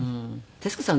徹子さん